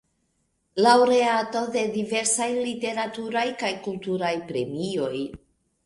Laŭreato de diversaj literaturaj kaj kulturaj premioj.